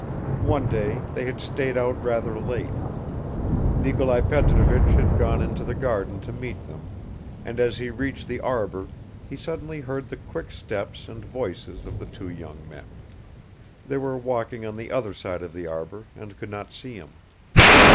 One day they had stayed out rather late. Nikolai Petrovich had gone into the garden to meet them, and as he reached the arbor he suddenly heard the quick steps and voices of the two young men; they were walking on the other side of the arbor and could not see him.